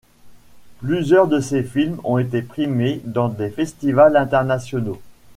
Plusieurs de ses films ont été primés dans des festivals internationaux.